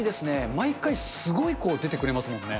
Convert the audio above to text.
毎回すごい子、出てくれますもんね。